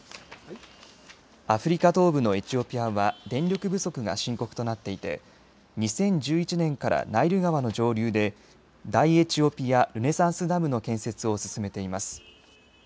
アフリカ東部のエチオピアは電力不足が深刻となっていて２０１１年からナイル川の上流で大エチオピア・ルネサンスダムの建設を進めています。